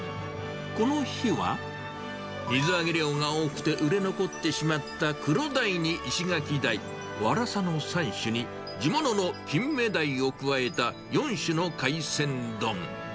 この日は、水揚げ量が多くて売れ残ってしまったクロダイにイシガキダイ、ワラサの３種に地物のキンメダイを加えた４種の海鮮丼。